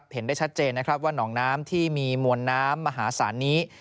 เห็นได้ชัดเจนนะครับว่าหนองน้ำที่มีมวลน้ำมหาศาลนี้